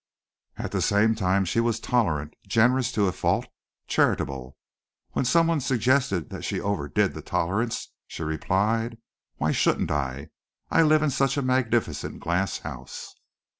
At the same time she was tolerant, generous to a fault, charitable. When someone suggested that she overdid the tolerance, she replied, "Why shouldn't I? I live in such a magnificent glass house."